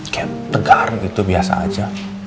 kan tegar gitu biasa aja